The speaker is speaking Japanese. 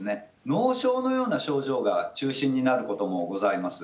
脳症のような症状が中心になることもございます。